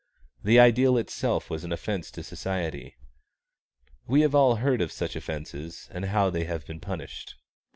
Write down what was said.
The ideal itself was an offence to society. We have all heard of such offences and how they have been punished.